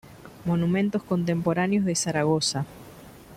Monumentos contemporáneos de Zaragoza